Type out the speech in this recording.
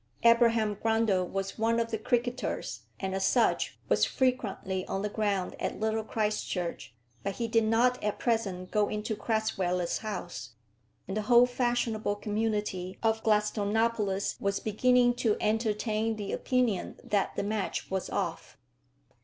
Abraham Grundle was one of the cricketers, and, as such, was frequently on the ground at Little Christchurch; but he did not at present go into Crasweller's house, and the whole fashionable community of Gladstonopolis was beginning to entertain the opinion that that match was off.